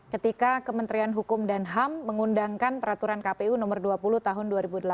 ketika kementerian hukum dan ham mengundangkan peraturan kpu nomor dua puluh tahun dua ribu delapan belas